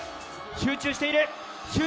集中している。